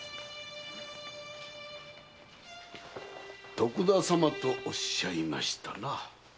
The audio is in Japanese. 徳田様とおっしゃいましたな？